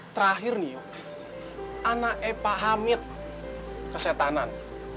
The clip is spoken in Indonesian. terakhir nih anaknya pak hamid kesetanan